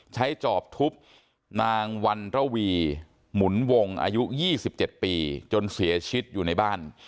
จอบทุบนางวันระวีหมุนวงอายุ๒๗ปีจนเสียชีวิตอยู่ในบ้าน